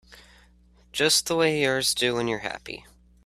Just the way yours do when you're happy.